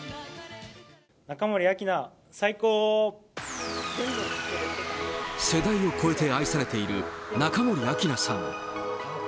中森明菜、世代を超えて愛されている中森明菜さん。